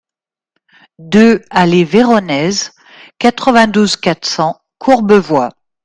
deux allée Véronèse, quatre-vingt-douze, quatre cents, Courbevoie